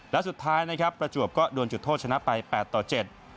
และสุดท้ายนะครับประจวบก็โดนจุดโทษชนะไปแปดต่อเจ็ด